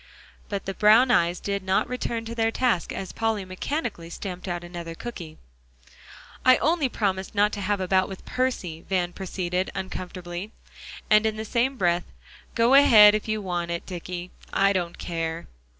But the brown eyes did not return to their task, as Polly mechanically stamped another cooky. "I only promised not to have a bout with Percy," Van proceeded uncomfortably. And in the same breath, "Go ahead, If you want it, Dicky, I don't care."